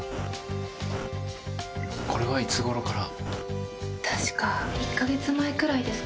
これはいつ頃から？